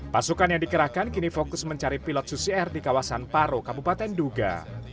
pasukan yang dikerahkan kini fokus mencari pilot susi air di kawasan paro kabupaten duga